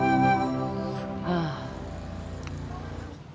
masak airnya sudah habis